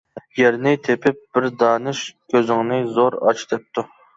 يەرنى تېپىپ بىر دانىش كۆزۈڭنى زور ئاچ دەپتۇ.